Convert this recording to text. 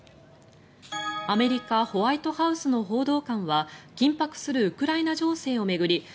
アメリカ・ホワイトハウスの報道官は緊迫するウクライナ情勢を巡り